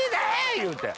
言うて。